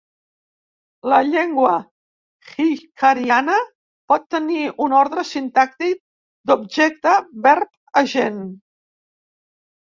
La llengua hixkariana pot tenir un ordre sintàctic d'objecte-verb-agent.